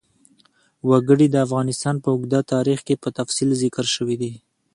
وګړي د افغانستان په اوږده تاریخ کې په تفصیل ذکر شوی دی.